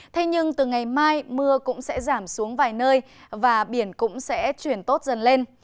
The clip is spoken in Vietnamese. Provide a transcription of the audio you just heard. thế nhưng từ ngày mai mưa cũng sẽ giảm xuống vài nơi và biển cũng sẽ chuyển tốt dần lên